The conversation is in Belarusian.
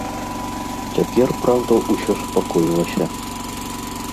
Цяпер, праўда, усё супакоілася.